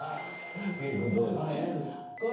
圭君どうでしたか？